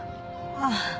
ああ。